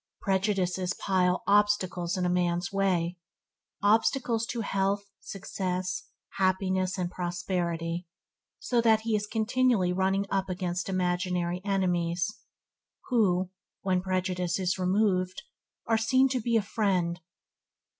Prejudices piles obstacles in a man's way – obstacles to health, success, happiness, and prosperity, so that he is continually running up against imaginary enemies, who, when prejudice is removed, are seen to be friend.